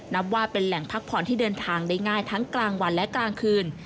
นับว่าเป็นแหล่งพักผ่อนที่เดินทางได้ง่ายทั้งกลางวันและกลางคืน